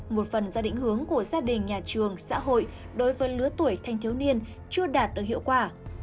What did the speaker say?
một phần do định hướng của gia đình nhà trường xã hội đối với lứa tuổi thanh thiếu niên chưa đạt được hiệu quả